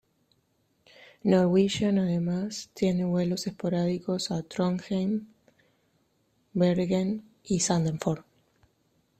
Norwegian además tiene vuelos esporádicos a Trondheim, Bergen y Sandefjord.